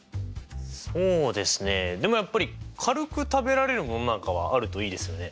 そうですねでもやっぱり軽く食べられるものなんかはあるといいですよね。